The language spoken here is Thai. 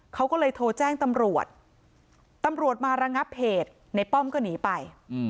เขาก็เลยโทรแจ้งตำรวจตำรวจมาระงับเพจในป้อมก็หนีไป